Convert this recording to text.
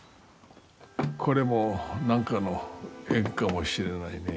これも何かの縁かもしれないね。